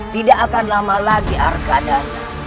tidak akan lama lagi harga dana